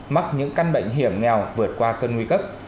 mắc những căn bệnh hiểm nghèo vượt qua cơn nguy cấp